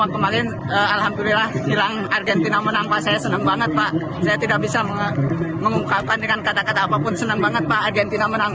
pertandingan penalti di jawa barat di jawa barat pada minggu malam